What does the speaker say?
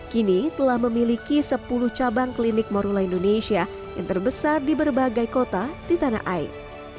kini telah memiliki sepuluh cabang klinik morula indonesia yang terbesar di berbagai kota di tanah air